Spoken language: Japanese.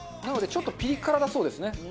なのでちょっとピリ辛だそうですね。